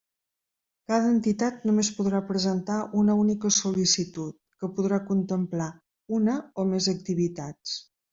Cada entitat només podrà presentar una única sol·licitud que podrà contemplar una o més activitats.